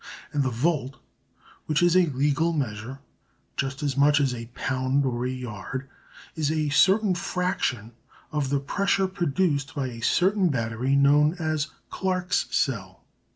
And the volt, which is a legal measure, just as much as a pound or a yard, is a certain fraction of the pressure produced by a certain battery known as Clark's Cell.